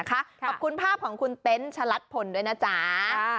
ขอบคุณภาพของคุณเต็นต์ชะลัดผลด้วยนะจ๊ะ